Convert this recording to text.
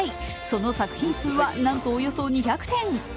その作品数はなんとおよそ２００点。